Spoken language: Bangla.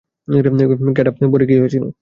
কোডা, পরে কী হয়েছিল?